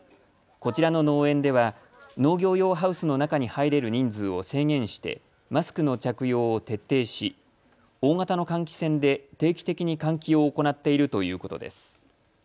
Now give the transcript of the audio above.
こちらの農園では農業用ハウスの中に入れる人数を制限してマスクの着用を徹底し大型の換気扇で定期的に換気を行っているということです。